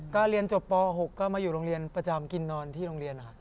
ก็เรียนจบตอนภ์๖ก็มาอยู่โรงเรียนประจำกินนอนที่โรงเรียน